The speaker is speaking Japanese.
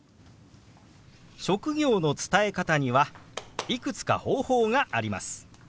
職業の伝え方にはいくつか方法があります。